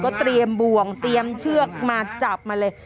เตรียมบ่วงเตรียมเชือกมาจับมาเลย